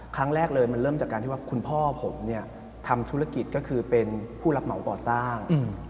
ครั้งแรกเลยมันเริ่มจากการที่ว่าคุณพ่อผมเนี่ยทำธุรกิจก็คือเป็นผู้รับเหมาก่อสร้าง